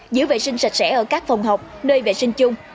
giữ vệ sinh sạch sẽ ở các phòng học nơi vệ sinh chung